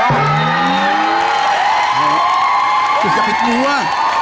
มันก็พิษดีว่ะ